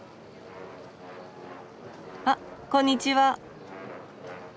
あっこんにちは！